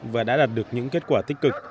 và đã đạt được những kết quả tích cực